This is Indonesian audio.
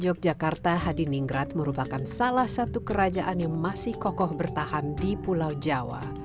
yogyakarta hadiningrat merupakan salah satu kerajaan yang masih kokoh bertahan di pulau jawa